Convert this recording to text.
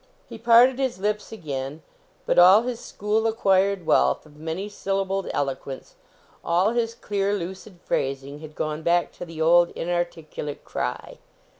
He parted his lips again, but all his school acquired wealth of many syllabled eloquence, all his clear, lucid phrasing, had gone back to the old inarticulate cry.